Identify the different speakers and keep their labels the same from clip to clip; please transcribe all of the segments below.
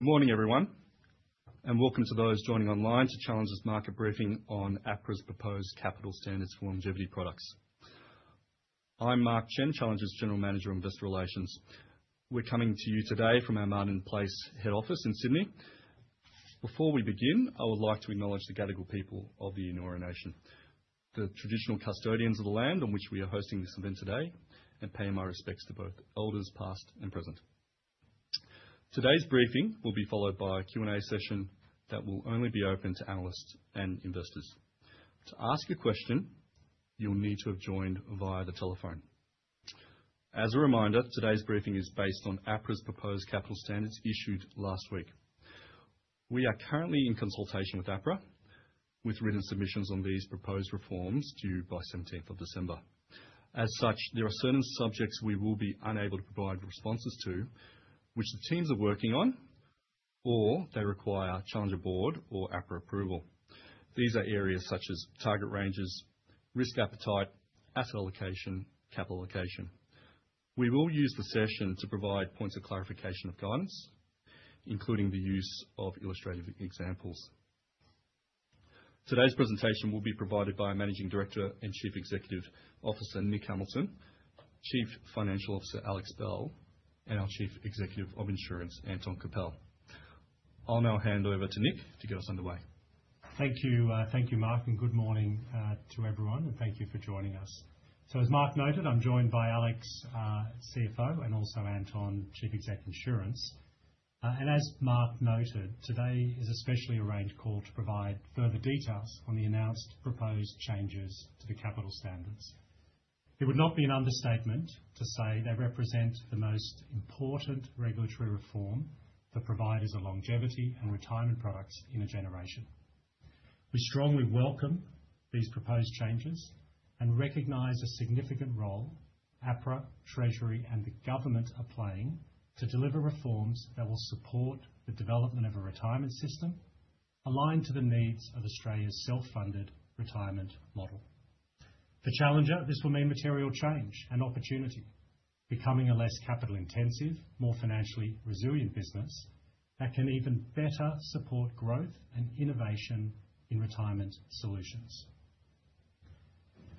Speaker 1: Good morning, everyone, and welcome to those joining online to Challenger's market briefing on APRA's proposed capital standards for longevity products. I'm Mark Chen, Challenger's General Manager of Investor Relations. We're coming to you today from our Martin Place head office in Sydney. Before we begin, I would like to acknowledge the Gadigal people of the Eora Nation, the traditional custodians of the land on which we are hosting this event today, and pay my respects to both elders past and present. Today's briefing will be followed by a Q&A session that will only be open to analysts and investors. To ask a question, you'll need to have joined via the telephone. As a reminder, today's briefing is based on APRA's proposed capital standards issued last week. We are currently in consultation with APRA, with written submissions on these proposed reforms due by 17th of December. As such, there are certain subjects we will be unable to provide responses to, which the teams are working on, or they require Challenger Board or APRA approval. These are areas such as target ranges, risk appetite, asset allocation, and capital allocation. We will use the session to provide points of clarification of guidance, including the use of illustrative examples. Today's presentation will be provided by Managing Director and Chief Executive Officer Nick Hamilton, Chief Financial Officer Alex Bell, and our Chief Executive of Insurance, Anton Kapel. I'll now hand over to Nick to get us underway.
Speaker 2: Thank you, Mark, and good morning to everyone, and thank you for joining us. So, as Mark noted, I'm joined by Alex, CFO, and also Anton, Chief Executive Insurance, and as Mark noted, today is a specially arranged call to provide further details on the announced proposed changes to the capital standards. It would not be an understatement to say they represent the most important regulatory reform for providers of longevity and retirement products in a generation. We strongly welcome these proposed changes and recognize the significant role APRA, Treasury, and the government are playing to deliver reforms that will support the development of a retirement system aligned to the needs of Australia's self-funded retirement model. For Challenger, this will mean material change and opportunity, becoming a less capital-intensive, more financially resilient business that can even better support growth and innovation in retirement solutions.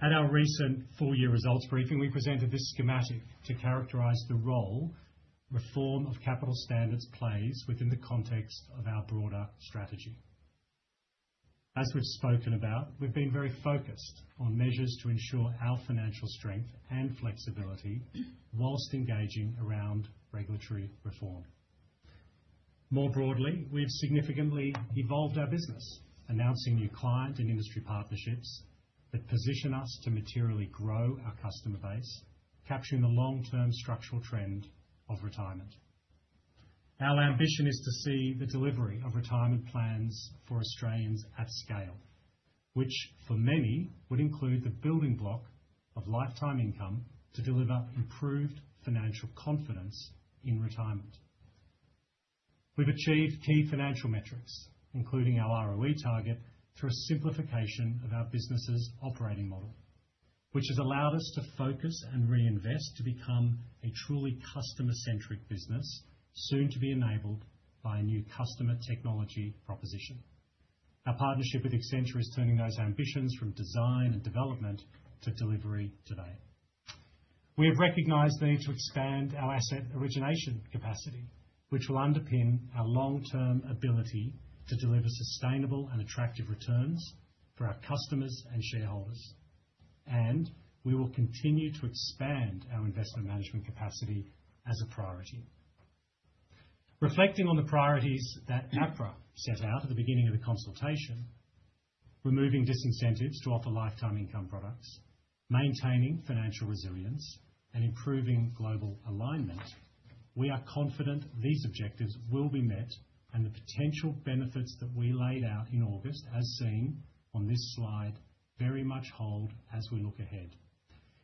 Speaker 2: At our recent full-year results briefing, we presented this schematic to characterize the role reform of capital standards plays within the context of our broader strategy. As we've spoken about, we've been very focused on measures to ensure our financial strength and flexibility while engaging around regulatory reform. More broadly, we've significantly evolved our business, announcing new client and industry partnerships that position us to materially grow our customer base, capturing the long-term structural trend of retirement. Our ambition is to see the delivery of retirement plans for Australians at scale, which for many would include the building block of lifetime income to deliver improved financial confidence in retirement. We've achieved key financial metrics, including our ROE target, through a simplification of our business's operating model, which has allowed us to focus and reinvest to become a truly customer-centric business soon to be enabled by a new customer technology proposition. Our partnership with Accenture is turning those ambitions from design and development to delivery today. We have recognized the need to expand our asset origination capacity, which will underpin our long-term ability to deliver sustainable and attractive returns for our customers and shareholders, and we will continue to expand our investment management capacity as a priority. Reflecting on the priorities that APRA set out at the beginning of the consultation, removing disincentives to offer lifetime income products, maintaining financial resilience, and improving global alignment, we are confident these objectives will be met, and the potential benefits that we laid out in August, as seen on this slide, very much hold as we look ahead.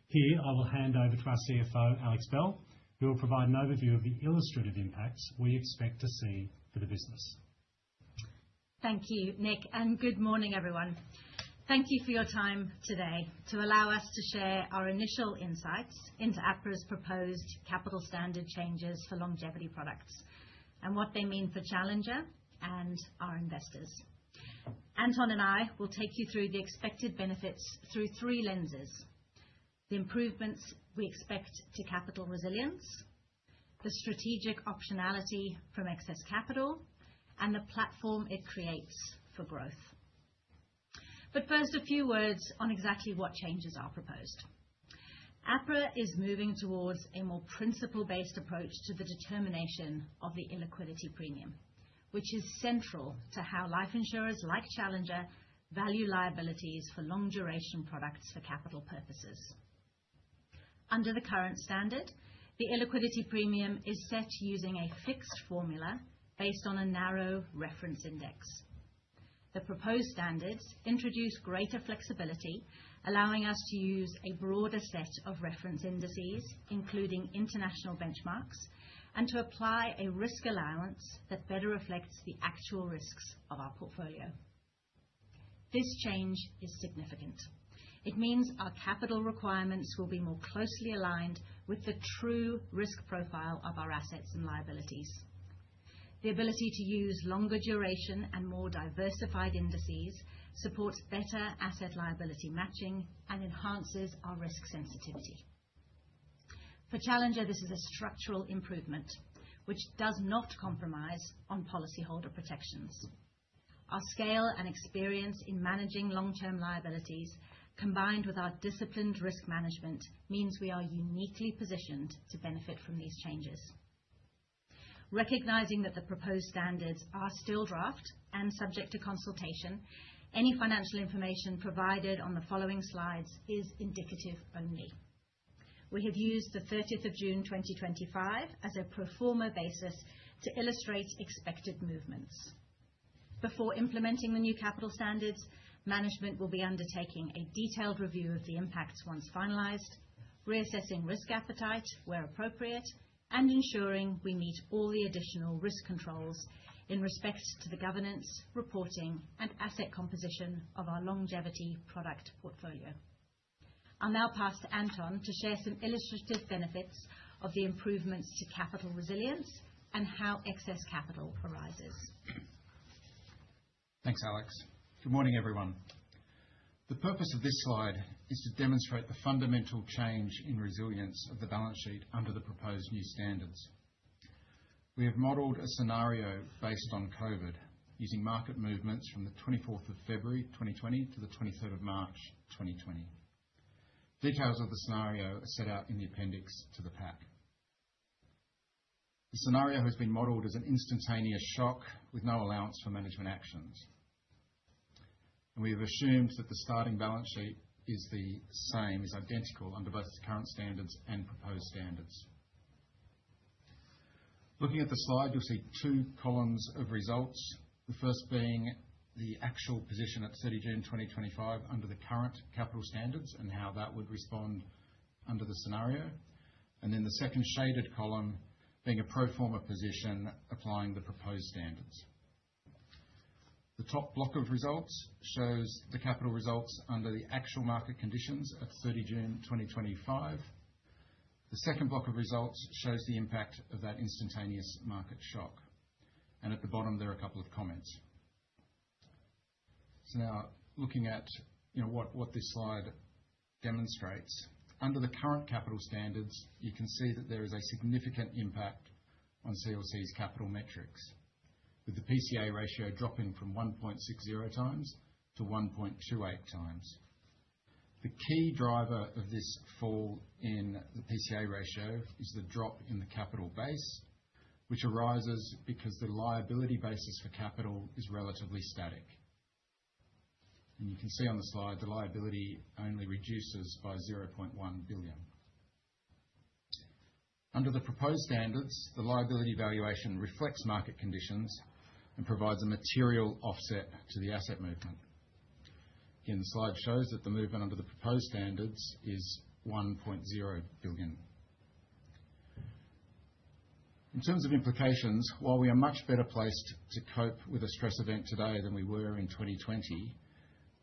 Speaker 2: Here, I will hand over to our CFO, Alex Bell, who will provide an overview of the illustrative impacts we expect to see for the business.
Speaker 3: Thank you, Nick, and good morning, everyone. Thank you for your time today to allow us to share our initial insights into APRA's proposed capital standard changes for longevity products and what they mean for Challenger and our investors. Anton and I will take you through the expected benefits through three lenses: the improvements we expect to capital resilience, the strategic optionality from excess capital, and the platform it creates for growth. But first, a few words on exactly what changes are proposed. APRA is moving towards a more principle-based approach to the determination of the illiquidity premium, which is central to how life insurers like Challenger value liabilities for long-duration products for capital purposes. Under the current standard, the illiquidity premium is set using a fixed formula based on a narrow reference index. The proposed standards introduce greater flexibility, allowing us to use a broader set of reference indices, including international benchmarks, and to apply a risk allowance that better reflects the actual risks of our portfolio. This change is significant. It means our capital requirements will be more closely aligned with the true risk profile of our assets and liabilities. The ability to use longer duration and more diversified indices supports better asset liability matching and enhances our risk sensitivity. For Challenger, this is a structural improvement, which does not compromise on policyholder protections. Our scale and experience in managing long-term liabilities, combined with our disciplined risk management, means we are uniquely positioned to benefit from these changes. Recognizing that the proposed standards are still draft and subject to consultation, any financial information provided on the following slides is indicative only. We have used the 30 June 2025 as a pro forma basis to illustrate expected movements. Before implementing the new capital standards, management will be undertaking a detailed review of the impacts once finalized, reassessing risk appetite where appropriate, and ensuring we meet all the additional risk controls in respect to the governance, reporting, and asset composition of our longevity product portfolio. I'll now pass to Anton to share some illustrative benefits of the improvements to capital resilience and how excess capital arises.
Speaker 4: Thanks, Alex. Good morning, everyone. The purpose of this slide is to demonstrate the fundamental change in resilience of the balance sheet under the proposed new standards. We have modeled a scenario based on COVID, using market movements from the 24 February 2020 to the 23 March 2020. Details of the scenario are set out in the appendix to the pack. The scenario has been modeled as an instantaneous shock with no allowance for management actions, and we have assumed that the starting balance sheet is the same, is identical under both current standards and proposed standards. Looking at the slide, you'll see two columns of results, the first being the actual position at 30 June 2025 under the current capital standards and how that would respond under the scenario, and then the second shaded column being a pro forma position applying the proposed standards. The top block of results shows the capital results under the actual market conditions at 30 June 2025. The second block of results shows the impact of that instantaneous market shock, and at the bottom, there are a couple of comments. So now, looking at what this slide demonstrates, under the current capital standards, you can see that there is a significant impact on CLC's capital metrics, with the PCA ratio dropping from 1.60x to 1.28x. The key driver of this fall in the PCA ratio is the drop in the capital base, which arises because the liability basis for capital is relatively static, and you can see on the slide, the liability only reduces by 0.1 billion. Under the proposed standards, the liability valuation reflects market conditions and provides a material offset to the asset movement. Again, the slide shows that the movement under the proposed standards is 1.0 billion. In terms of implications, while we are much better placed to cope with a stress event today than we were in 2020,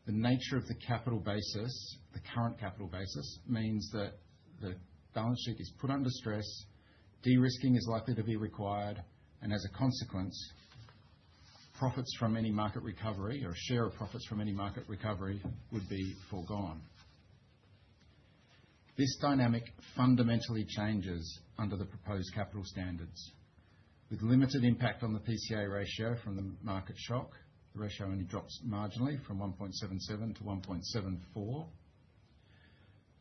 Speaker 4: the nature of the capital basis, the current capital basis, means that the balance sheet is put under stress, de-risking is likely to be required, and as a consequence, profits from any market recovery or a share of profits from any market recovery would be foregone. This dynamic fundamentally changes under the proposed capital standards. With limited impact on the PCA ratio from the market shock, the ratio only drops marginally from 1.77 to 1.74,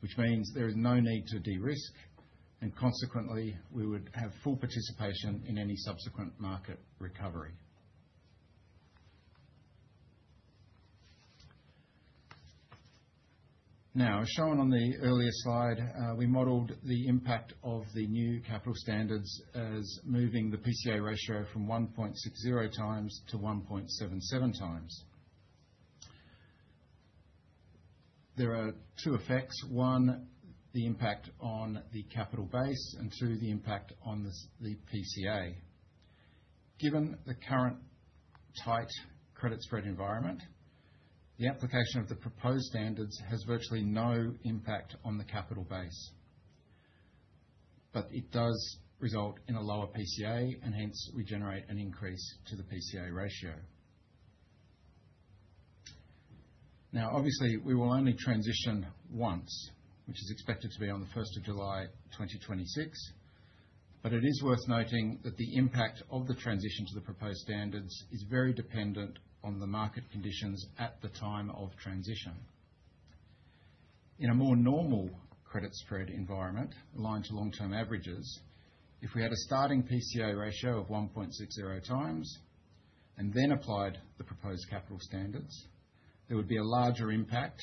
Speaker 4: which means there is no need to de-risk, and consequently, we would have full participation in any subsequent market recovery. Now, as shown on the earlier slide, we modeled the impact of the new capital standards as moving the PCA ratio from 1.60x to 1.77x. There are two effects, one, the impact on the capital base, and two, the impact on the PCA. Given the current tight credit spread environment, the application of the proposed standards has virtually no impact on the capital base, but it does result in a lower PCA, and hence, we generate an increase to the PCA ratio. Now, obviously, we will only transition once, which is expected to be on the 1st July 2026, but it is worth noting that the impact of the transition to the proposed standards is very dependent on the market conditions at the time of transition. In a more normal credit spread environment aligned to long-term averages, if we had a starting PCA ratio of 1.60 times and then applied the proposed capital standards, there would be a larger impact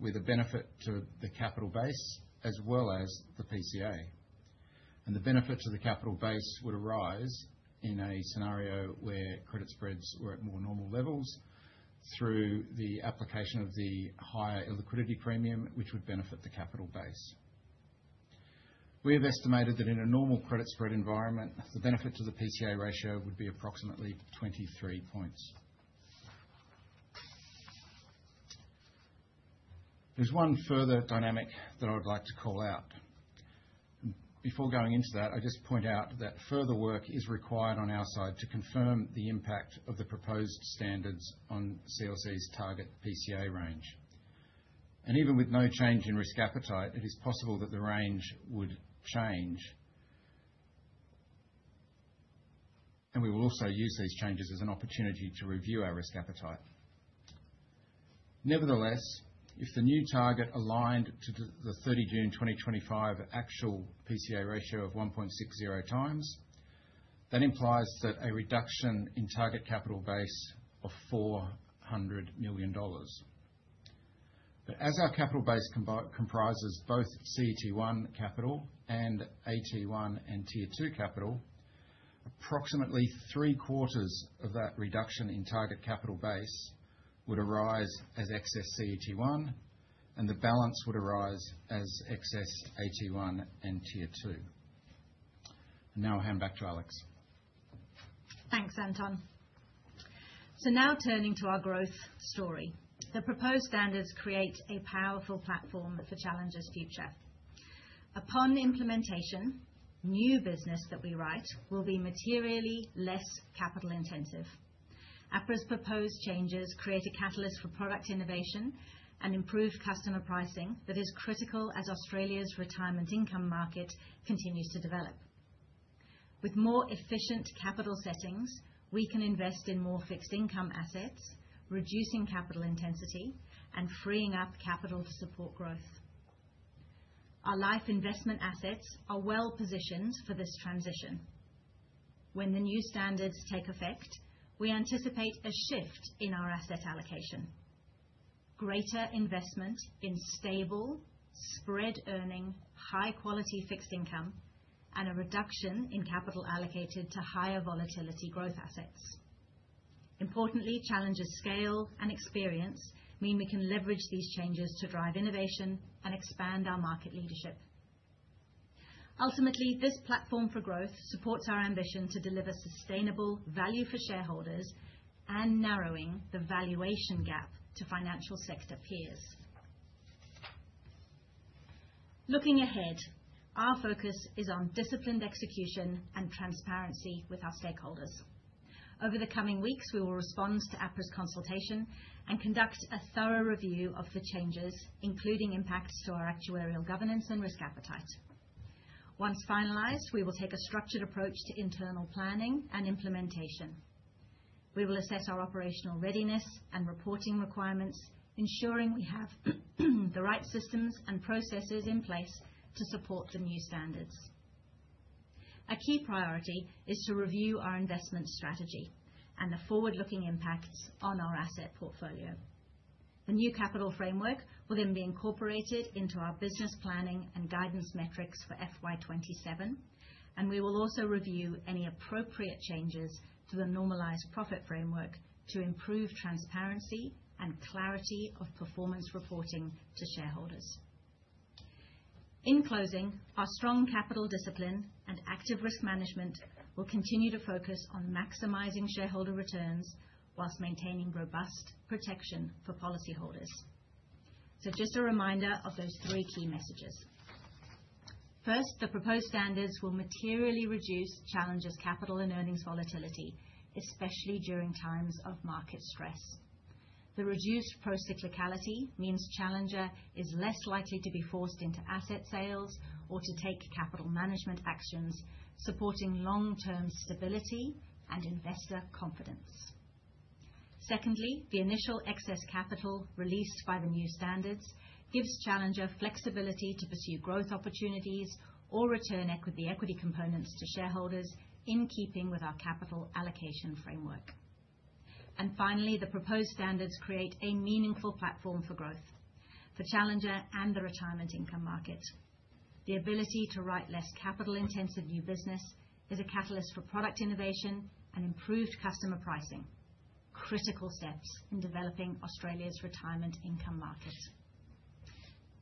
Speaker 4: with a benefit to the capital base as well as the PCA. The benefit to the capital base would arise in a scenario where credit spreads were at more normal levels through the application of the higher illiquidity premium, which would benefit the capital base. We have estimated that in a normal credit spread environment, the benefit to the PCA ratio would be approximately 23 points. There's one further dynamic that I would like to call out. Before going into that, I just point out that further work is required on our side to confirm the impact of the proposed standards on CLC's target PCA range. Even with no change in risk appetite, it is possible that the range would change. We will also use these changes as an opportunity to review our risk appetite. Nevertheless, if the new target aligned to the 30 June 2025 actual PCA ratio of 1.60 times, that implies that a reduction in target capital base of 400 million dollars. As our capital base comprises both CET1 capital and AT1 and Tier 2 capital, approximately three-quarters of that reduction in target capital base would arise as excess CET1, and the balance would arise as excess AT1 and Tier 2. Now I'll hand back to Alex.
Speaker 3: Thanks, Anton. So now turning to our growth story. The proposed standards create a powerful platform for Challenger's future. Upon implementation, new business that we write will be materially less capital-intensive. APRA's proposed changes create a catalyst for product innovation and improved customer pricing that is critical as Australia's retirement income market continues to develop. With more efficient capital settings, we can invest in more fixed income assets, reducing capital intensity and freeing up capital to support growth. Our life investment assets are well-positioned for this transition. When the new standards take effect, we anticipate a shift in our asset allocation: greater investment in stable, spread-earning, high-quality fixed income, and a reduction in capital allocated to higher volatility growth assets. Importantly, Challenger's scale and experience mean we can leverage these changes to drive innovation and expand our market leadership. Ultimately, this platform for growth supports our ambition to deliver sustainable value for shareholders and narrowing the valuation gap to financial sector peers. Looking ahead, our focus is on disciplined execution and transparency with our stakeholders. Over the coming weeks, we will respond to APRA's consultation and conduct a thorough review of the changes, including impacts to our actuarial governance and risk appetite. Once finalized, we will take a structured approach to internal planning and implementation. We will assess our operational readiness and reporting requirements, ensuring we have the right systems and processes in place to support the new standards. A key priority is to review our investment strategy and the forward-looking impacts on our asset portfolio. The new capital framework will then be incorporated into our business planning and guidance metrics for FY27, and we will also review any appropriate changes to the normalized profit framework to improve transparency and clarity of performance reporting to shareholders. In closing, our strong capital discipline and active risk management will continue to focus on maximizing shareholder returns while maintaining robust protection for policyholders. So just a reminder of those three key messages. First, the proposed standards will materially reduce Challenger's capital and earnings volatility, especially during times of market stress. The reduced procyclicality means Challenger is less likely to be forced into asset sales or to take capital management actions, supporting long-term stability and investor confidence. Secondly, the initial excess capital released by the new standards gives Challenger flexibility to pursue growth opportunities or return equity components to shareholders in keeping with our capital allocation framework. Finally, the proposed standards create a meaningful platform for growth for Challenger and the retirement income market. The ability to write less capital-intensive new business is a catalyst for product innovation and improved customer pricing, critical steps in developing Australia's retirement income market.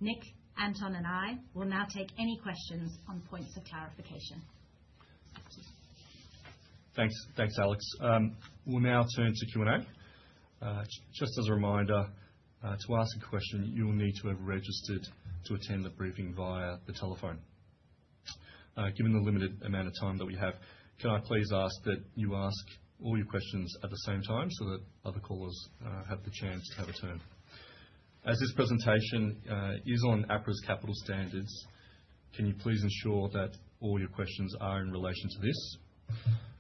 Speaker 3: Nick, Anton, and I will now take any questions on points of clarification.
Speaker 1: Thanks, Alex. We'll now turn to Q&A. Just as a reminder, to ask a question, you will need to have registered to attend the briefing via the telephone. Given the limited amount of time that we have, can I please ask that you ask all your questions at the same time so that other callers have the chance to have a turn? As this presentation is on APRA's capital standards, can you please ensure that all your questions are in relation to this?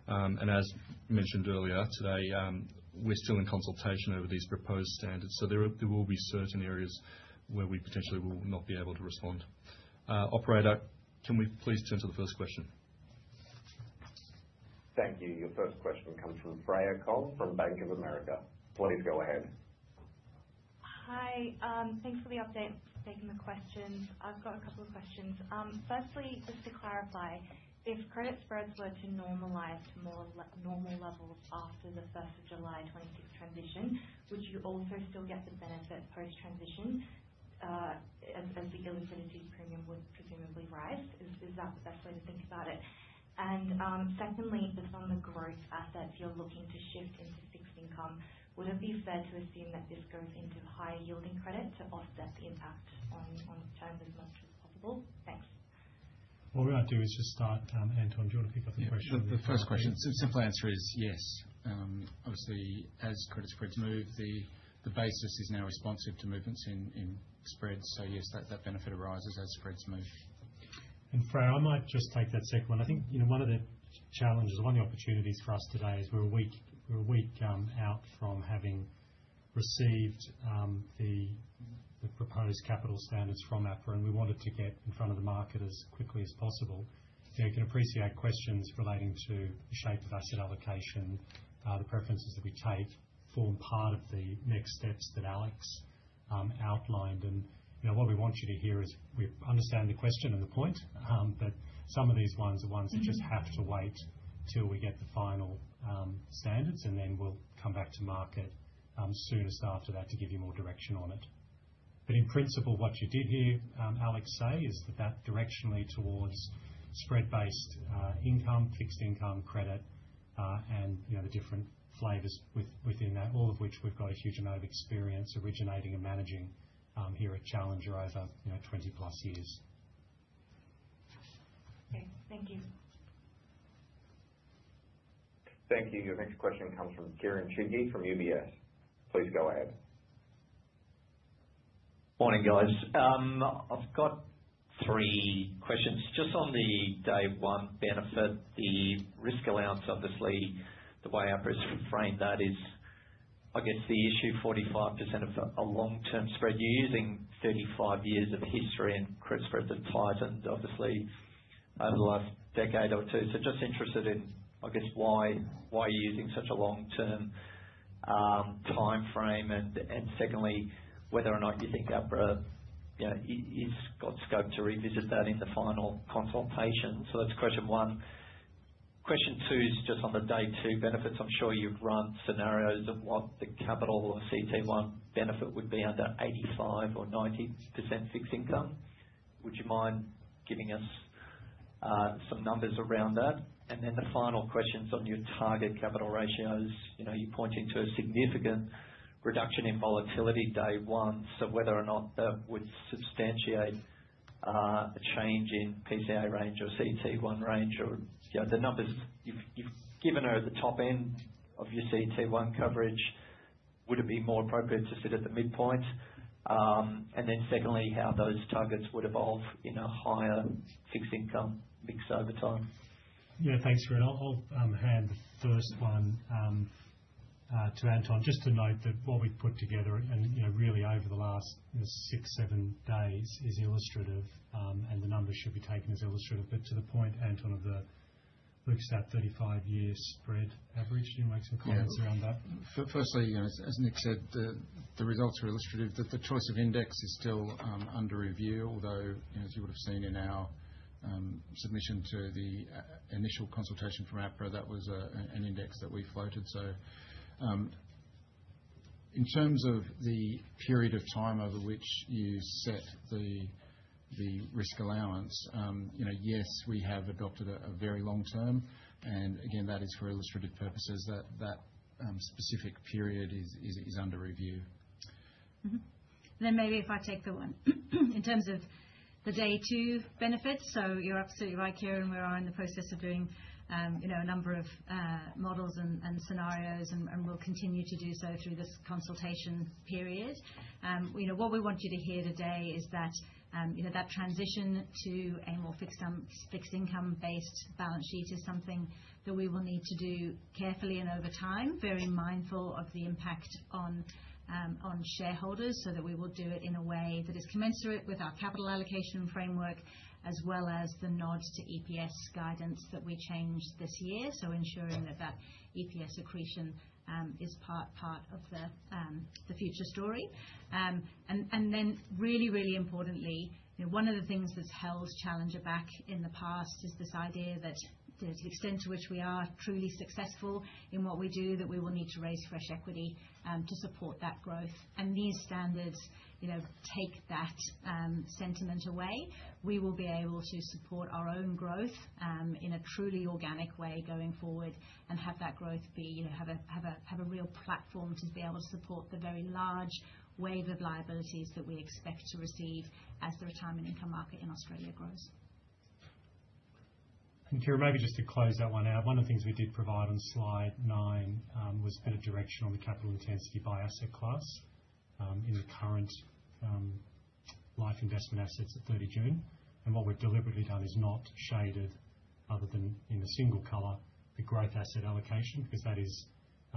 Speaker 1: And as mentioned earlier today, we're still in consultation over these proposed standards, so there will be certain areas where we potentially will not be able to respond. Operator, can we please turn to the first question?
Speaker 5: Thank you. Your first question comes from Freya Kong from Bank of America. Please go ahead.
Speaker 6: Hi. Thanks for the update and for taking the questions. I've got a couple of questions. Firstly, just to clarify, if credit spreads were to normalize to more normal levels after the 1st of July 2026 transition, would you also still get the benefit post-transition as the illiquidity premium would presumably rise? Is that the best way to think about it? And secondly, if it's on the growth assets you're looking to shift into fixed income, would it be fair to assume that this goes into higher-yielding credit to offset the impact on terms as much as possible? Thanks.
Speaker 2: What we might do is just start, Anton. Do you want to pick up the question?
Speaker 4: The first question, the simple answer is yes. Obviously, as credit spreads move, the basis is now responsive to movements in spreads. So yes, that benefit arises as spreads move.
Speaker 2: Freya, I might just take that second one. I think one of the challenges, one of the opportunities for us today is we're a week out from having received the proposed capital standards from APRA, and we wanted to get in front of the market as quickly as possible. If you can appreciate questions relating to the shape of asset allocation, the preferences that we take, form part of the next steps that Alex outlined. What we want you to hear is we understand the question and the point, but some of these ones are ones that just have to wait till we get the final standards, and then we'll come back to market soonest after that to give you more direction on it. In principle, what you did hear Alex say is that that directionally towards spread-based income, fixed income, credit, and the different flavors within that, all of which we've got a huge amount of experience originating and managing here at Challenger over 20-plus years.
Speaker 6: Thank you.
Speaker 5: Thank you. Your next question comes from Kieren Chidgey from UBS. Please go ahead.
Speaker 7: Morning, guys. I've got three questions. Just on the day-one benefit, the risk allowance, obviously, the way APRA has framed that is, I guess, the issue of 45% of a long-term spread. You're using 35 years of history, and credit spreads have tightened, obviously, over the last decade or two. So just interested in, I guess, why you're using such a long-term timeframe, and secondly, whether or not you think APRA has got scope to revisit that in the final consultation. So that's question one. Question two is just on the day-two benefits. I'm sure you've run scenarios of what the capital or CET1 benefit would be under 85% or 90% fixed income. Would you mind giving us some numbers around that? And then the final question's on your target capital ratios. You're pointing to a significant reduction in volatility day one, so whether or not that would substantiate a change in PCA range or CET1 range, or the numbers you've given are at the top end of your CET1 coverage? Would it be more appropriate to sit at the midpoint? And then secondly, how those targets would evolve in a higher fixed income mix over time?
Speaker 2: Yeah, thanks, Kieran. I'll hand the first one to Anton. Just to note that what we've put together, and really over the last six, seven days, is illustrative, and the numbers should be taken as illustrative. But to the point, Anton, on the look-back 35-year spread average, do you want to make some comments around that?
Speaker 4: Firstly, as Nick said, the results are illustrative. The choice of index is still under review, although, as you would have seen in our submission to the initial consultation from APRA, that was an index that we floated. So in terms of the period of time over which you set the risk allowance, yes, we have adopted a very long term. And again, that is for illustrative purposes. That specific period is under review.
Speaker 3: Then, maybe if I take the one. In terms of the day-two benefits, so you're absolutely right, Kieran. We are in the process of doing a number of models and scenarios, and we'll continue to do so through this consultation period. What we want you to hear today is that that transition to a more fixed income-based balance sheet is something that we will need to do carefully and over time, very mindful of the impact on shareholders, so that we will do it in a way that is commensurate with our capital allocation framework, as well as the nod to EPS guidance that we changed this year, so ensuring that that EPS accretion is part of the future story. And then really, really importantly, one of the things that's held Challenger back in the past is this idea that to the extent to which we are truly successful in what we do, that we will need to raise fresh equity to support that growth. And these standards take that sentiment away. We will be able to support our own growth in a truly organic way going forward and have that growth have a real platform to be able to support the very large wave of liabilities that we expect to receive as the retirement income market in Australia grows.
Speaker 2: Kieran, maybe just to close that one out, one of the things we did provide on slide nine was a bit of direction on the capital intensity by asset class in the current life investment assets at 30 June. What we've deliberately done is not shaded, other than in a single color, the growth asset allocation, because that is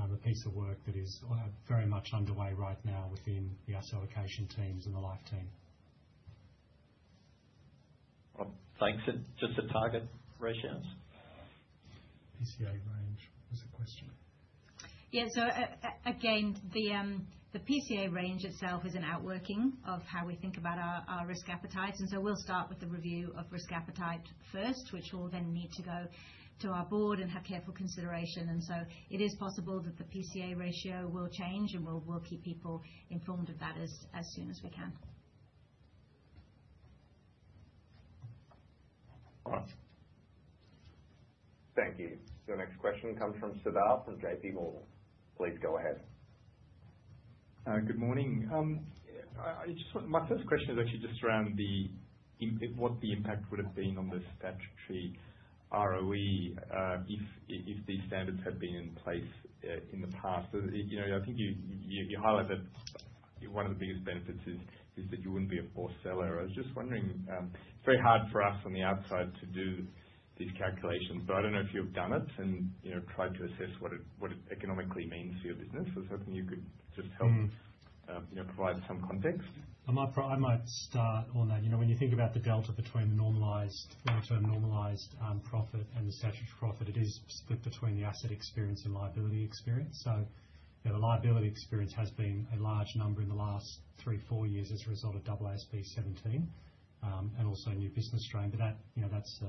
Speaker 2: the piece of work that is very much underway right now within the asset allocation teams and the life team.
Speaker 7: Thanks. And just the target ratios?
Speaker 2: PCA range was the question.
Speaker 3: Yeah, so again, the PCA range itself is an outworking of how we think about our risk appetite, and so we'll start with the review of risk appetite first, which will then need to go to our board and have careful consideration, and so it is possible that the PCA ratio will change, and we'll keep people informed of that as soon as we can.
Speaker 5: All right. Thank you. So the next question comes from Siddharth from J.P. Morgan. Please go ahead.
Speaker 8: Good morning. My first question is actually just around what the impact would have been on the statutory ROE if these standards had been in place in the past. I think you highlight that one of the biggest benefits is that you wouldn't be a forced seller. I was just wondering, it's very hard for us on the outside to do these calculations, but I don't know if you've done it and tried to assess what it economically means for your business. I was hoping you could just help provide some context.
Speaker 2: I might start on that. When you think about the delta between the long-term normalized profit and the statutory profit, it is split between the asset experience and liability experience. So the liability experience has been a large number in the last three, four years as a result of AASB 17 and also new business strain, but that's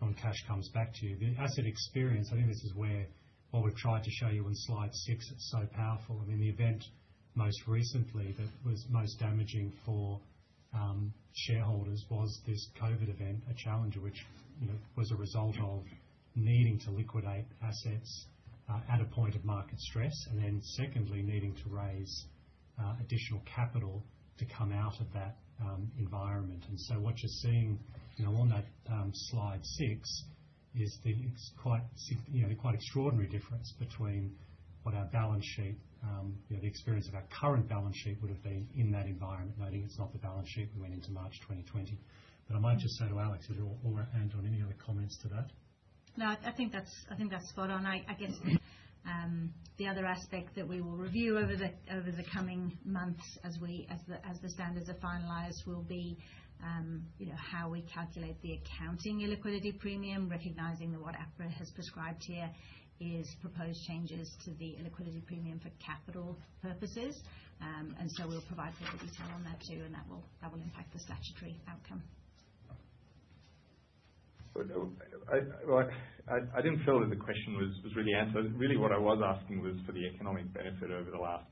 Speaker 2: once cash comes back to you. The asset experience, I think this is where what we've tried to show you on slide six is so powerful. I mean, the event most recently that was most damaging for shareholders was this COVID event at Challenger, which was a result of needing to liquidate assets at a point of market stress, and then secondly, needing to raise additional capital to come out of that environment. And so what you're seeing on that slide six is the quite extraordinary difference between what our balance sheet, the experience of our current balance sheet would have been in that environment, noting it's not the balance sheet we went into March 2020. But I might just say to Alex, or Anton, any other comments to that?
Speaker 3: No, I think that's spot on. I guess the other aspect that we will review over the coming months as the standards are finalized will be how we calculate the accounting illiquidity premium, recognizing that what APRA has prescribed here is proposed changes to the illiquidity premium for capital purposes. And so we'll provide further detail on that too, and that will impact the statutory outcome.
Speaker 8: I didn't feel that the question was really answered. Really, what I was asking was for the economic benefit over the last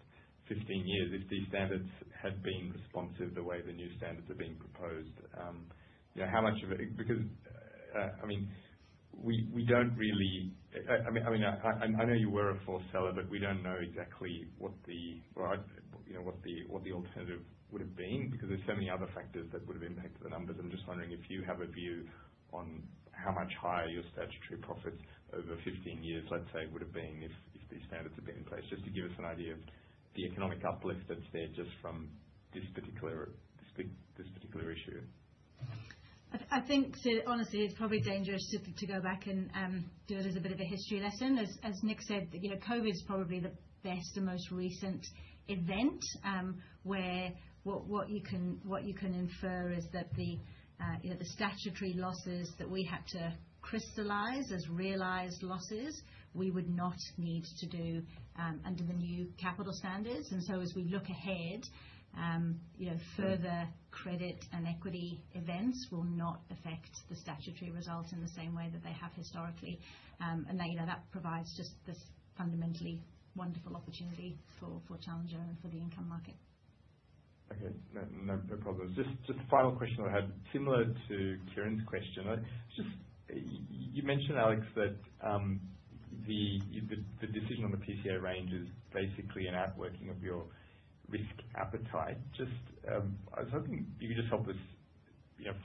Speaker 8: 15 years, if these standards had been responsive the way the new standards are being proposed. How much of it? Because, I mean, we don't really—I mean, I know you were a forecaster, but we don't know exactly what the alternative would have been because there's so many other factors that would have impacted the numbers. I'm just wondering if you have a view on how much higher your statutory profits over 15 years, let's say, would have been if these standards had been in place, just to give us an idea of the economic uplift that's there just from this particular issue.
Speaker 3: I think, honestly, it's probably dangerous to go back and do it as a bit of a history lesson. As Nick said, COVID's probably the best and most recent event where what you can infer is that the statutory losses that we had to crystallize as realized losses, we would not need to do under the new capital standards. And that provides just this fundamentally wonderful opportunity for Challenger and for the income market.
Speaker 8: Okay. No problem. Just a final question I had, similar to Kieran's question. You mentioned, Alex, that the decision on the PCA range is basically an outworking of your risk appetite. Just, I was hoping you could just help us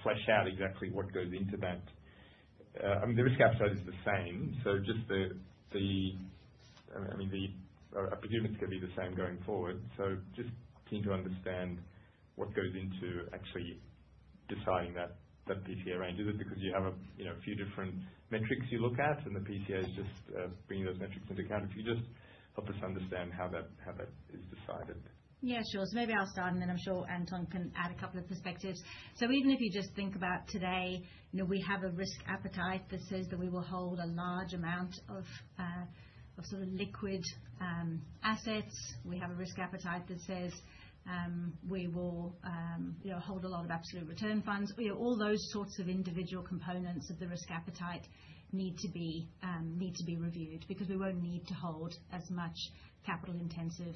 Speaker 8: flesh out exactly what goes into that. I mean, the risk appetite is the same. So, just the—I mean, the opportunities could be the same going forward. So, just to understand what goes into actually deciding that PCA range. Is it because you have a few different metrics you look at, and the PCA's just bringing those metrics into account? If you just help us understand how that is decided.
Speaker 3: Yeah, sure. So maybe I'll start, and then I'm sure Anton can add a couple of perspectives. So even if you just think about today, we have a risk appetite that says that we will hold a large amount of sort of liquid assets. We have a risk appetite that says we will hold a lot of absolute return funds. All those sorts of individual components of the risk appetite need to be reviewed because we won't need to hold as much capital-intensive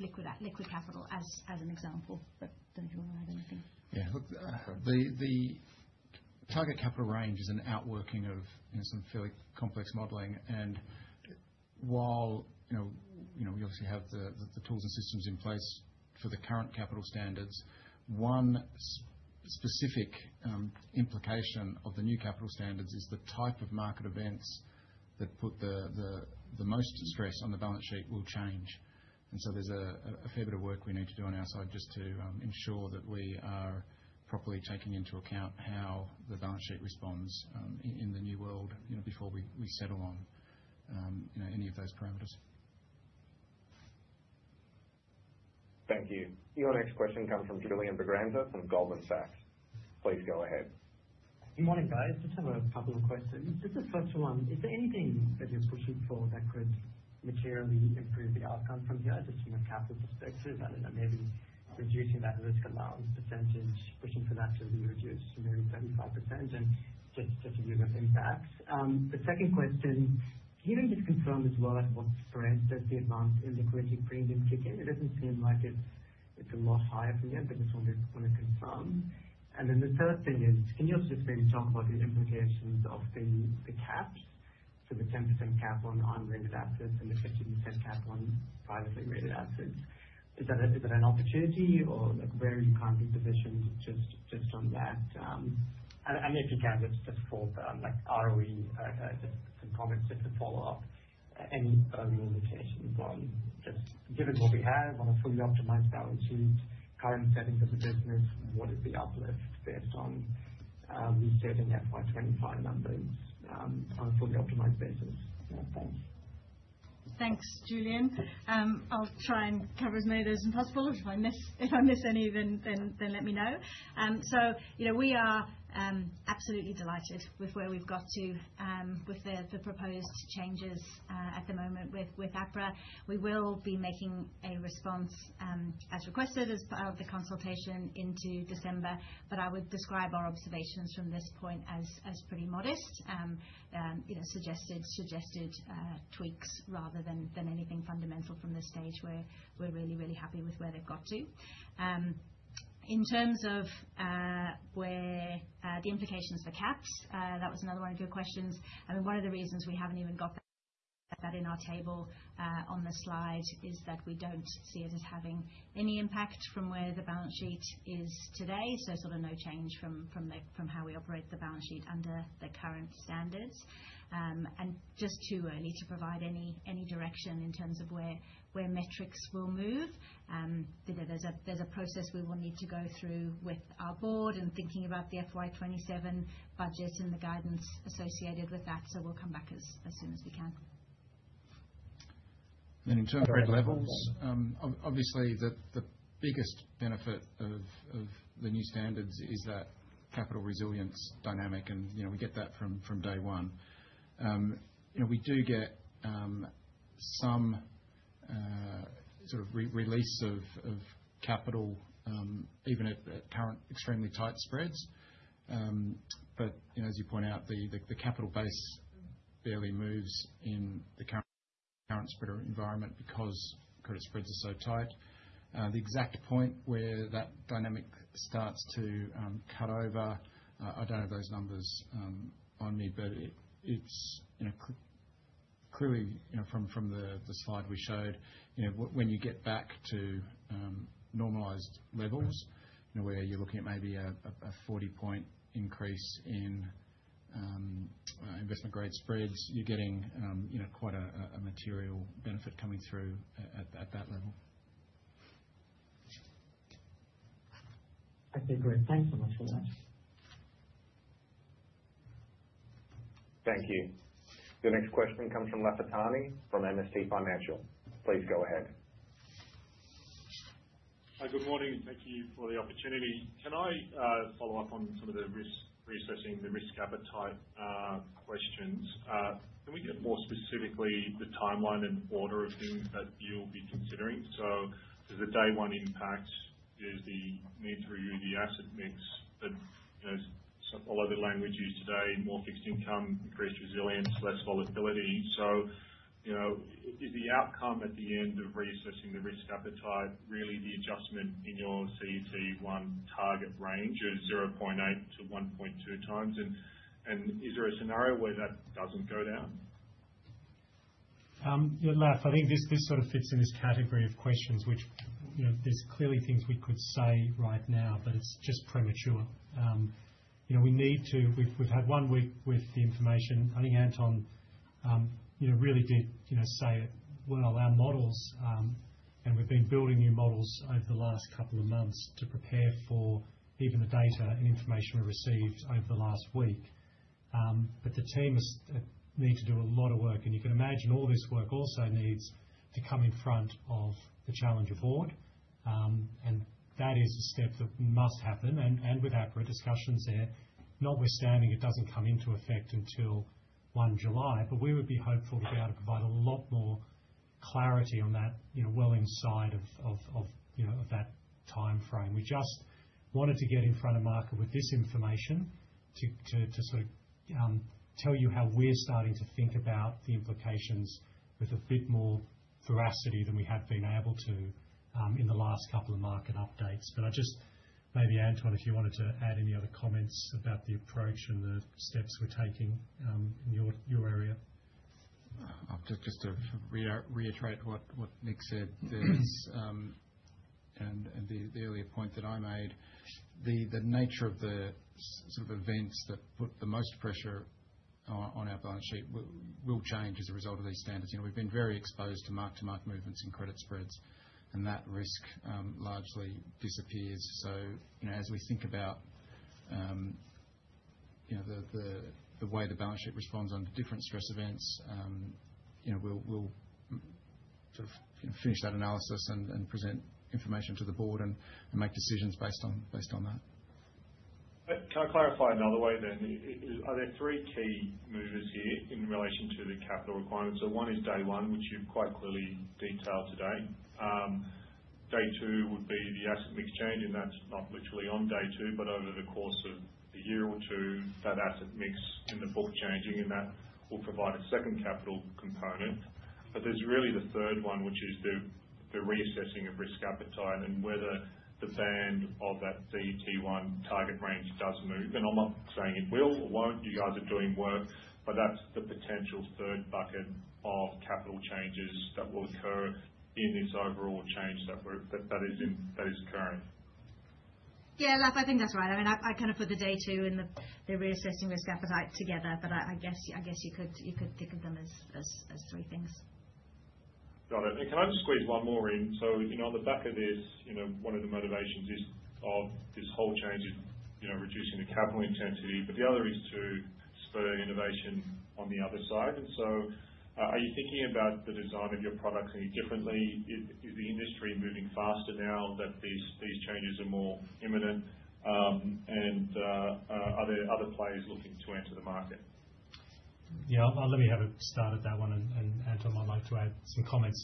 Speaker 3: liquid capital as an example. But don't you want to add anything?
Speaker 4: Yeah. Look, the target capital range is an outworking of some fairly complex modeling. And while we obviously have the tools and systems in place for the current capital standards, one specific implication of the new capital standards is the type of market events that put the most stress on the balance sheet will change. And so there's a fair bit of work we need to do on our side just to ensure that we are properly taking into account how the balance sheet responds in the new world before we settle on any of those parameters.
Speaker 5: Thank you. Your next question comes from Julian Braganza from Goldman Sachs. Please go ahead.
Speaker 9: Good morning, guys. Just have a couple of questions. Just the first one, is there anything that you're pushing for that could materially improve the outcome from here? Just from a capital perspective, I don't know, maybe reducing that risk allowance percentage, pushing for that to be reduced to maybe 35% and just to view the impacts. The second question, can you just confirm as well what spreads that the advance in liquidity premium kick in? It doesn't seem like it's a lot higher from there, but just want to confirm. And then the third thing is, can you also just maybe talk about the implications of the caps? So the 10% cap on unrated assets and the 15% cap on privately rated assets. Is that an opportunity or where you can't be positioned just on that? If you can, just for the ROE, just some comments just to follow up. Any implications on just given what we have on a fully optimized balance sheet, current settings of the business, what is the uplift based on resetting FY25 numbers on a fully optimized basis? Yeah, thanks.
Speaker 3: Thanks, Julian. I'll try and cover as many of those as possible. If I miss any, then let me know. We are absolutely delighted with where we've got to with the proposed changes at the moment with APRA. We will be making a response as requested as part of the consultation into December, but I would describe our observations from this point as pretty modest, suggested tweaks rather than anything fundamental from this stage. We're really, really happy with where they've got to. In terms of the implications for caps, that was another one of your questions. I mean, one of the reasons we haven't even got that in our table on the slide is that we don't see it as having any impact from where the balance sheet is today, so sort of no change from how we operate the balance sheet under the current standards. It's just too early to provide any direction in terms of where metrics will move. There's a process we will need to go through with our board and thinking about the FY27 budget and the guidance associated with that. We'll come back as soon as we can.
Speaker 2: And in terms of levels, obviously, the biggest benefit of the new standards is that capital resilience dynamic, and we get that from day one. We do get some sort of release of capital even at current extremely tight spreads. But as you point out, the capital base barely moves in the current spread environment because credit spreads are so tight. The exact point where that dynamic starts to cut over, I don't have those numbers on me, but it's clearly from the slide we showed. When you get back to normalized levels, where you're looking at maybe a 40-point increase in investment-grade spreads, you're getting quite a material benefit coming through at that level.
Speaker 9: Okay, great. Thanks so much for that.
Speaker 5: Thank you. The next question comes from Lafitani from MST Financial. Please go ahead.
Speaker 10: Hi, good morning. Thank you for the opportunity. Can I follow up on some of the reassessing the risk appetite questions? Can we get more specifically the timeline and order of things that you'll be considering? So does the day one impact the need to review the asset mix that all of the language used today, more fixed income, increased resilience, less volatility? So is the outcome at the end of reassessing the risk appetite really the adjustment in your CET1 target range of 0.8-1.2 times? And is there a scenario where that doesn't go down?
Speaker 2: Yeah, Laf, I think this sort of fits in this category of questions, which there's clearly things we could say right now, but it's just premature. We need to. We've had one week with the information. I think Anton really did say it, well, our models, and we've been building new models over the last couple of months to prepare for even the data and information we received over the last week. But the team need to do a lot of work. And you can imagine all this work also needs to come in front of the Challenger board. And that is a step that must happen. And with APRA discussions there, notwithstanding, it doesn't come into effect until 1 July. But we would be hopeful to be able to provide a lot more clarity well inside that timeframe. We just wanted to get in front of Mark with this information to sort of tell you how we're starting to think about the implications with a bit more veracity than we have been able to in the last couple of market updates. But I just maybe, Anton, if you wanted to add any other comments about the approach and the steps we're taking in your area?
Speaker 4: I'll just reiterate what Nick said, and the earlier point that I made, the nature of the sort of events that put the most pressure on our balance sheet will change as a result of these standards. We've been very exposed to mark-to-market movements in credit spreads, and that risk largely disappears. So as we think about the way the balance sheet responds under different stress events, we'll sort of finish that analysis and present information to the board and make decisions based on that.
Speaker 10: Can I clarify another way then? Are there three key movers here in relation to the capital requirements? So one is day one, which you've quite clearly detailed today. Day two would be the asset mix change, and that's not literally on day two, but over the course of a year or two, that asset mix in the book changing, and that will provide a second capital component. But there's really the third one, which is the reassessing of risk appetite and whether the band of that CET1 target range does move. And I'm not saying it will or won't. You guys are doing work, but that's the potential third bucket of capital changes that will occur in this overall change that is occurring.
Speaker 3: Yeah, Laf, I think that's right. I mean, I kind of put the day two and the reassessing risk appetite together, but I guess you could think of them as three things.
Speaker 10: Got it. And can I just squeeze one more in? So on the back of this, one of the motivations of this whole change is reducing the capital intensity, but the other is to spur innovation on the other side. And so are you thinking about the design of your products any differently? Is the industry moving faster now that these changes are more imminent? And are there other players looking to enter the market?
Speaker 2: Yeah, let me have a start at that one, and Anton, I'd like to add some comments.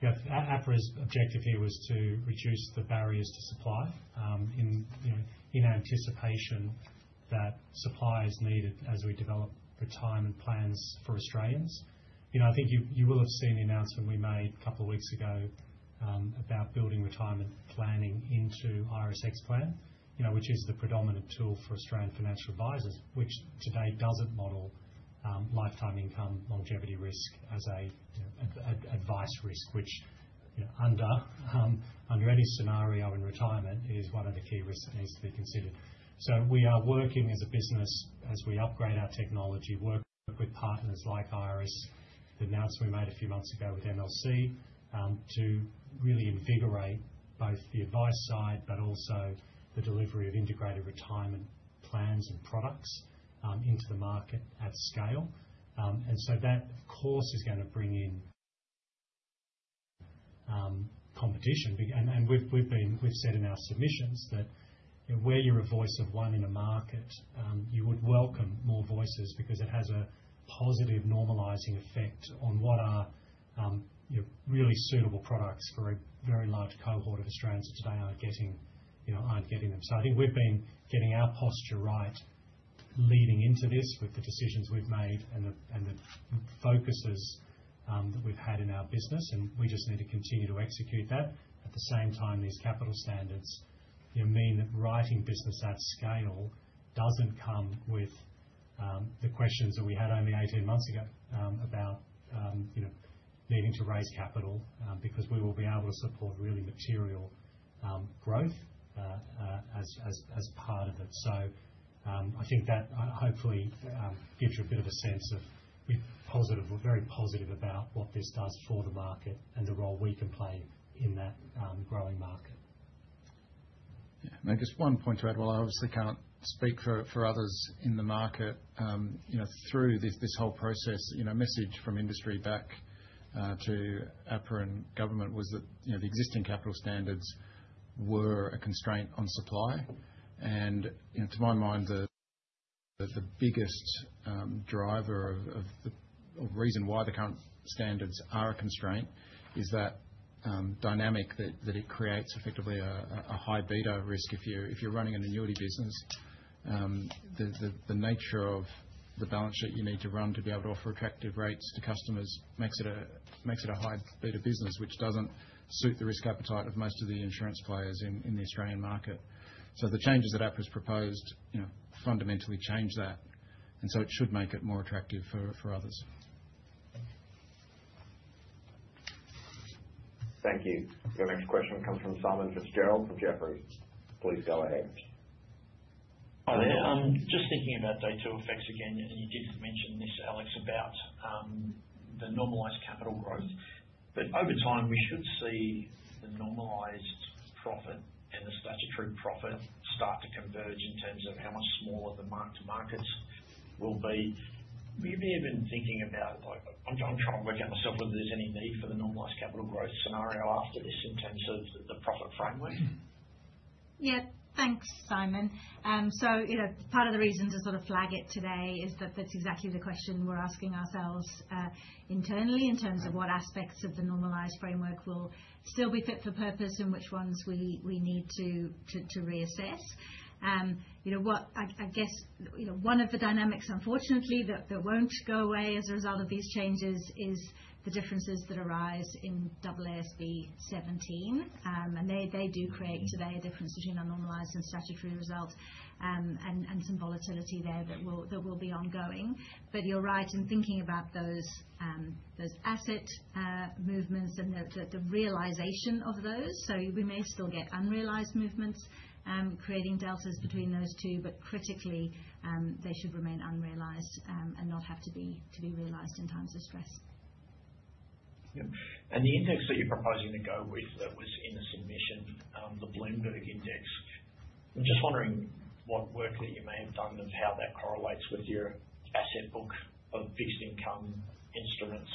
Speaker 2: Yeah, APRA's objective here was to reduce the barriers to supply in anticipation that suppliers needed as we develop retirement plans for Australians. I think you will have seen the announcement we made a couple of weeks ago about building retirement planning into Iress Xplan, which is the predominant tool for Australian financial advisors, which today doesn't model lifetime income longevity risk as an advice risk, which under any scenario in retirement is one of the key risks that needs to be considered, so we are working as a business as we upgrade our technology, work with partners like Iress, the announcement we made a few months ago with MLC to really invigorate both the advice side, but also the delivery of integrated retirement plans and products into the market at scale. And so that, of course, is going to bring in competition. And we've said in our submissions that where you're a voice of one in a market, you would welcome more voices because it has a positive normalizing effect on what are really suitable products for a very large cohort of Australians that today aren't getting them. So I think we've been getting our posture right leading into this with the decisions we've made and the focuses that we've had in our business, and we just need to continue to execute that. At the same time, these capital standards mean that writing business at scale doesn't come with the questions that we had only 18 months ago about needing to raise capital because we will be able to support really material growth as part of it. So I think that hopefully gives you a bit of a sense of we're very positive about what this does for the market and the role we can play in that growing market.
Speaker 4: Yeah. And I guess one point to add, while I obviously can't speak for others in the market, through this whole process, a message from industry back to APRA and government was that the existing capital standards were a constraint on supply. And to my mind, the biggest driver of the reason why the current standards are a constraint is that dynamic that it creates effectively a high beta risk. If you're running an annuity business, the nature of the balance sheet you need to run to be able to offer attractive rates to customers makes it a high beta business, which doesn't suit the risk appetite of most of the insurance players in the Australian market.
Speaker 2: So the changes that APRA has proposed fundamentally change that. And so it should make it more attractive for others.
Speaker 5: Thank you. The next question comes from Simon Fitzgerald from Jefferies. Please go ahead.
Speaker 11: Hi there. Just thinking about day two effects again, and you did mention this, Alex, about the normalized capital growth. But over time, we should see the normalized profit and the statutory profit start to converge in terms of how much smaller the mark-to-markets will be. We've even been thinking about. I'm trying to work out myself whether there's any need for the normalized capital growth scenario after this in terms of the profit framework.
Speaker 3: Yeah, thanks, Simon. So part of the reason to sort of flag it today is that that's exactly the question we're asking ourselves internally in terms of what aspects of the normalized framework will still be fit for purpose and which ones we need to reassess. I guess one of the dynamics, unfortunately, that won't go away as a result of these changes is the differences that arise in AASB 17. And they do create today a difference between a normalized and statutory result and some volatility there that will be ongoing. But you're right in thinking about those asset movements and the realization of those. So we may still get unrealized movements creating deltas between those two, but critically, they should remain unrealized and not have to be realized in times of stress.
Speaker 11: Yeah, and the index that you're proposing to go with that was in the submission, the Bloomberg index. I'm just wondering what work that you may have done on how that correlates with your asset book of fixed income instruments.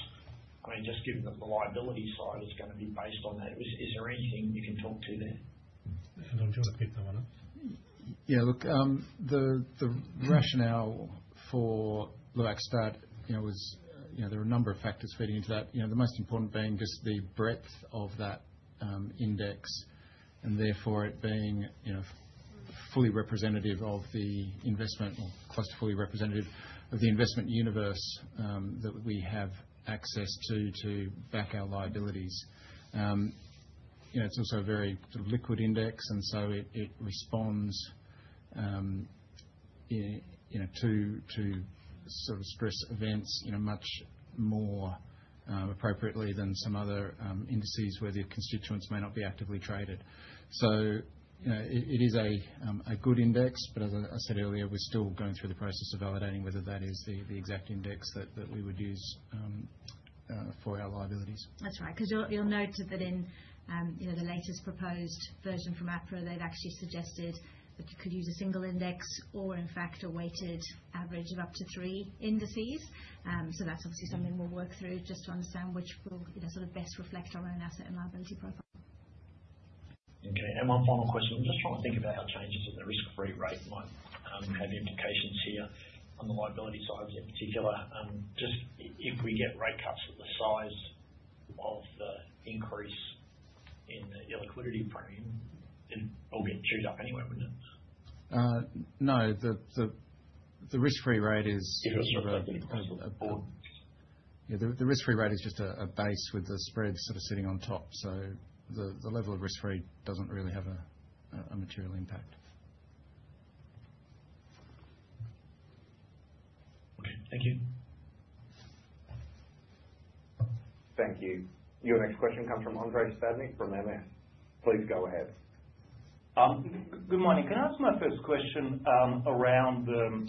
Speaker 11: I mean, just given that the liability side is going to be based on that, is there anything you can talk to there?
Speaker 2: I'll try to pick that one up. Yeah, look, the rationale for the way I start was there are a number of factors feeding into that, the most important being just the breadth of that index and therefore it being fully representative of the investment or close to fully representative of the investment universe that we have access to back our liabilities. It's also a very sort of liquid index, and so it responds to sort of stress events much more appropriately than some other indices where the constituents may not be actively traded. So it is a good index, but as I said earlier, we're still going through the process of validating whether that is the exact index that we would use for our liabilities.
Speaker 3: That's right. Because you'll note that in the latest proposed version from APRA, they've actually suggested that you could use a single index or, in fact, a weighted average of up to three indices. So that's obviously something we'll work through just to understand which will sort of best reflect our own asset and liability profile.
Speaker 11: Okay. And one final question. I'm just trying to think about how changes in the risk-free rate might have implications here on the liability side in particular. Just if we get rate cuts at the size of the increase in the illiquidity premium, it'll get chewed up anyway, wouldn't it?
Speaker 4: No. The risk-free rate is sort of a floor. Yeah, the risk-free rate is just a base with the spread sort of sitting on top, so the level of risk-free doesn't really have a material impact.
Speaker 11: Okay. Thank you.
Speaker 5: Thank you. Your next question comes from Andrei Stadnik from MS. Please go ahead.
Speaker 12: Good morning. Can I ask my first question around the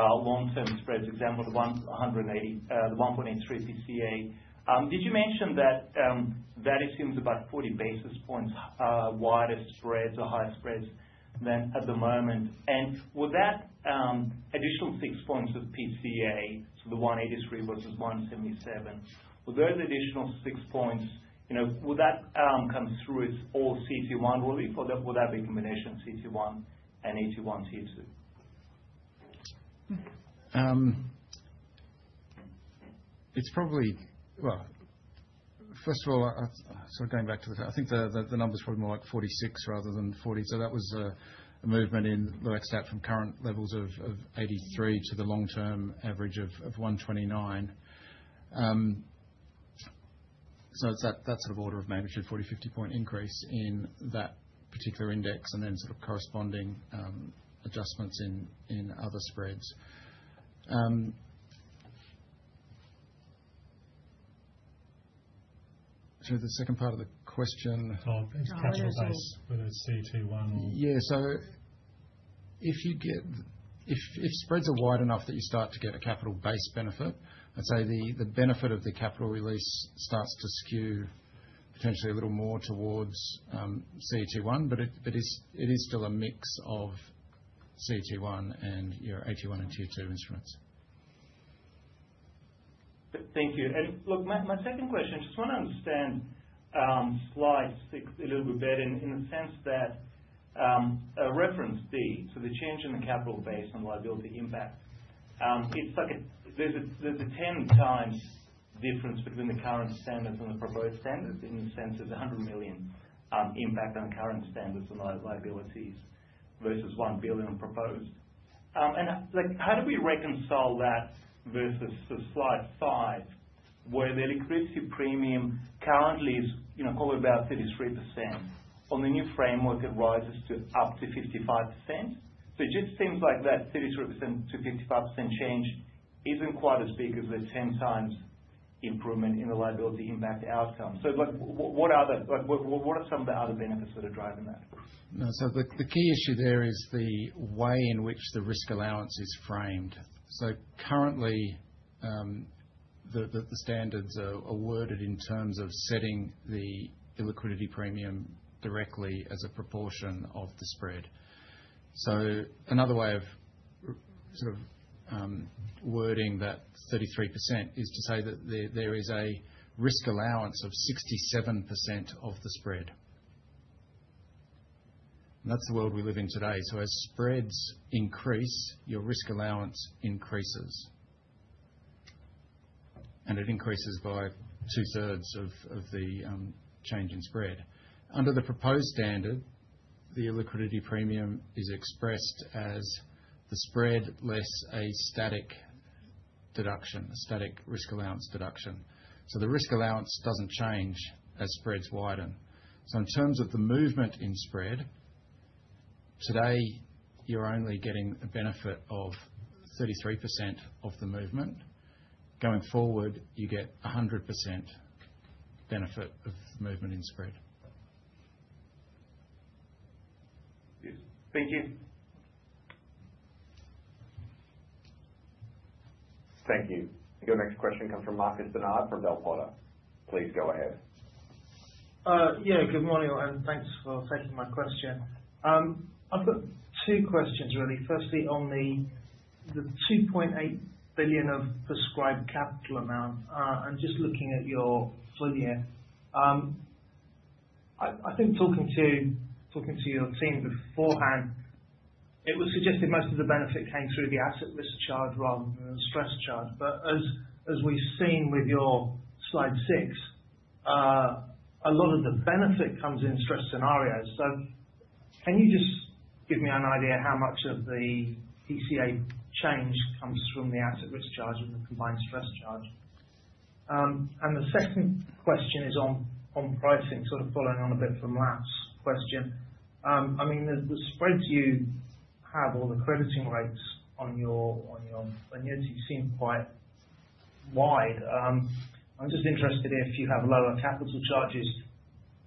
Speaker 12: long-term spreads example, the 1.83 PCA? Did you mention that that assumes about 40 basis points wider spreads or higher spreads than at the moment? And would that additional six points of PCA to the 183 versus 177, would those additional six points, would that come through as all CET1 relief, or would that be a combination of CET1 and AT1/T2?
Speaker 4: First of all, sort of going back to, I think, the number is probably more like 46 rather than 40. So that was a movement in the way it's set from current levels of 83 to the long-term average of 129. So it's that sort of order of magnitude, 40-50-point increase in that particular index and then sort of corresponding adjustments in other spreads. So the second part of the question.
Speaker 2: Oh, capital base whether it's CET1 or.
Speaker 4: Yeah, so if spreads are wide enough that you start to get a capital base benefit, I'd say the benefit of the capital release starts to skew potentially a little more toward CET1, but it is still a mix of CET1 and AT1 and T2 instruments.
Speaker 12: Thank you. And look, my second question, I just want to understand slide six a little bit better in the sense that reference B, so the change in the capital base and liability impact, it's like there's a 10 times difference between the current standards and the proposed standards in the sense there's 100 million impact on current standards and liabilities versus 1 billion proposed. And how do we reconcile that versus slide five where the illiquidity premium currently is probably about 33%? On the new framework, it rises to up to 55%. So it just seems like that 33%-55% change isn't quite as big as the 10 times improvement in the liability impact outcome. So what are some of the other benefits that are driving that?
Speaker 4: No. So the key issue there is the way in which the risk allowance is framed. So currently, the standards are worded in terms of setting the illiquidity premium directly as a proportion of the spread. So another way of sort of wording that 33% is to say that there is a risk allowance of 67% of the spread. And that's the world we live in today. So as spreads increase, your risk allowance increases. And it increases by two-thirds of the change in spread. Under the proposed standard, the illiquidity premium is expressed as the spread less a static deduction, a static risk allowance deduction. So the risk allowance doesn't change as spreads widen. So in terms of the movement in spread, today you're only getting a benefit of 33% of the movement. Going forward, you get 100% benefit of movement in spread.
Speaker 5: Thank you. Thank you. Your next question comes from Marcus Barnard from Bell Potter. Please go ahead.
Speaker 13: Yeah. Good morning, and thanks for taking my question. I've got two questions, really. Firstly, on the 2.8 billion of Prescribed Capital Amount, and just looking at your full year, I think talking to your team beforehand, it was suggested most of the benefit came through the Asset Risk Charge rather than the stress charge. But as we've seen with your slide six, a lot of the benefit comes in stress scenarios. So can you just give me an idea how much of the PCA change comes from the Asset Risk Charge and the combined stress charge? And the second question is on pricing, sort of following on a bit from last question. I mean, the spreads you have or the crediting rates on your annuity seem quite wide. I'm just interested if you have lower capital charges,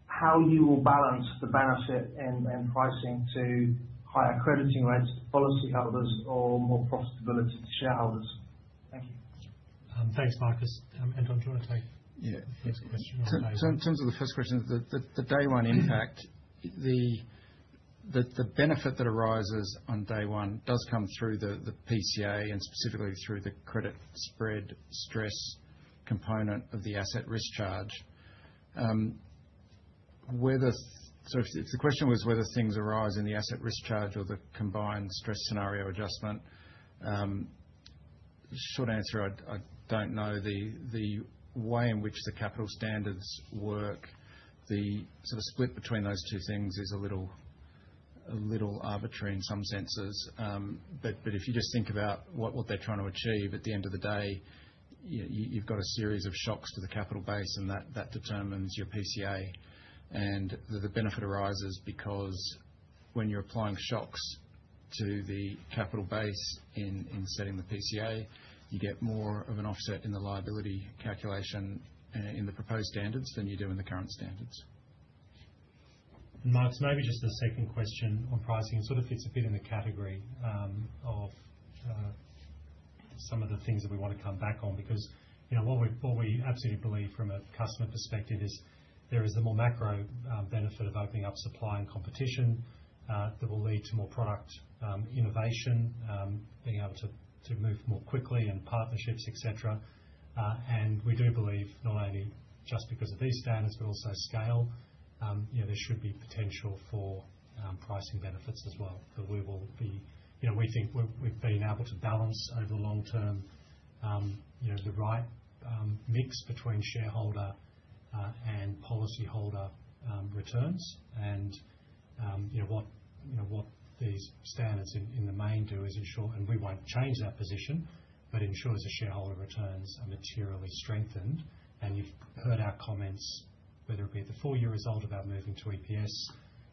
Speaker 13: how you will balance the benefit and pricing to higher crediting rates to policyholders or more profitability to shareholders. Thank you.
Speaker 2: Thanks, Marcus. Anton, do you want to take the next question?
Speaker 4: So in terms of the first question, the day one impact, the benefit that arises on day one does come through the PCA and specifically through the credit spread stress component of the Asset Risk Charge. So if the question was whether things arise in the Asset Risk Charge or the combined stress scenario adjustment, short answer, I don't know. The way in which the capital standards work, the sort of split between those two things is a little arbitrary in some senses. But if you just think about what they're trying to achieve, at the end of the day, you've got a series of shocks to the capital base, and that determines your PCA. The benefit arises because when you're applying shocks to the capital base in setting the PCA, you get more of an offset in the liability calculation in the proposed standards than you do in the current standards.
Speaker 2: Marcus, maybe just a second question on pricing. It sort of fits a bit in the category of some of the things that we want to come back on. Because what we absolutely believe from a customer perspective is there is the more macro benefit of opening up supply and competition that will lead to more product innovation, being able to move more quickly and partnerships, etc. And we do believe not only just because of these standards, but also scale, there should be potential for pricing benefits as well. We think we've been able to balance over the long term the right mix between shareholder and policyholder returns. And what these standards in the main do is ensure, and we won't change that position, but ensures the shareholder returns are materially strengthened. And you've heard our comments, whether it be at the full-year result about moving to EPS,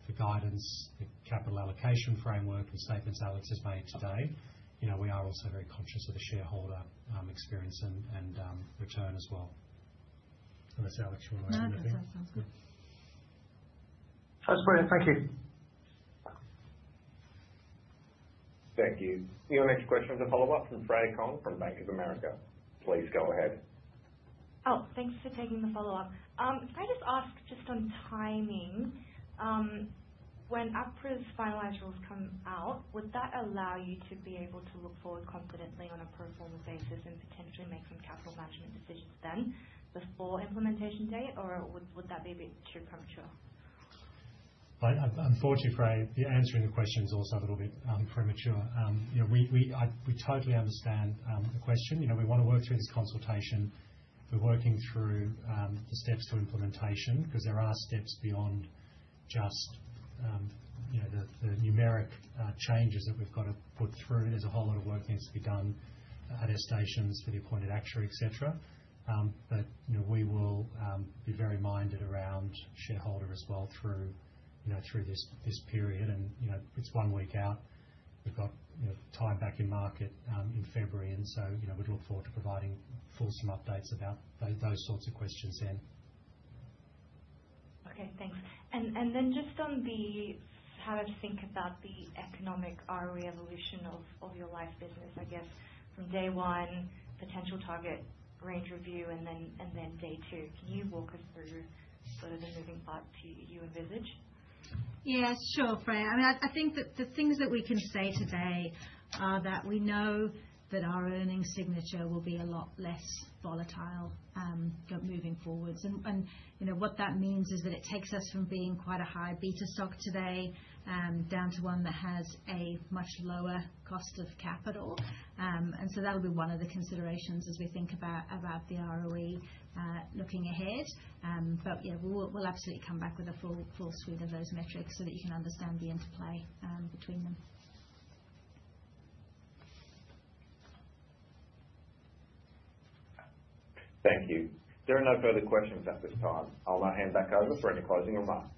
Speaker 2: the guidance, the capital allocation framework, and statements Alex has made today. We are also very conscious of the shareholder experience and return as well. So that's Alex, you want to add anything?
Speaker 3: No, that sounds good
Speaker 13: Alright, thank you.
Speaker 5: Thank you. Your next question is a follow-up from Freya Kong from Bank of America. Please go ahead.
Speaker 6: Oh, thanks for taking the follow-up. Can I just ask just on timing? When APRA's finalized rules come out, would that allow you to be able to look forward confidently on a pro forma basis and potentially make some capital management decisions then before implementation date, or would that be a bit too premature?
Speaker 2: Unfortunately, Freya, the answer in the question is also a little bit premature. We totally understand the question. We want to work through this consultation. We're working through the steps to implementation because there are steps beyond just the numeric changes that we've got to put through. There's a whole lot of work that needs to be done on our assumptions for the appointed actuary, etc. But we will be very mindful around shareholders as well through this period. And it's one week out. We've got time back in the market in February. And so we'd look forward to providing fulsome updates about those sorts of questions then.
Speaker 6: Okay. Thanks. And then just on how to think about the economic ROE evolution of your life business, I guess, from day one, potential target range review, and then day two. Can you walk us through sort of the moving path you envisage?
Speaker 3: Yeah, sure, Freya. I mean, I think that the things that we can say today are that we know that our earnings signature will be a lot less volatile moving forwards. And what that means is that it takes us from being quite a high beta stock today down to one that has a much lower cost of capital. And so that will be one of the considerations as we think about the ROE looking ahead. But yeah, we'll absolutely come back with a full suite of those metrics so that you can understand the interplay between them.
Speaker 5: Thank you. There are no further questions at this time. I'll now hand back over for any closing remarks.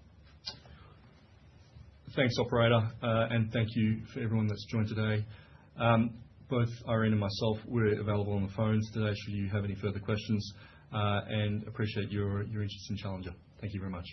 Speaker 4: Thanks, operator. And thank you for everyone that's joined today. Both Irene and myself, we're available on the phones today should you have any further questions. And appreciate your interest in Challenger. Thank you very much.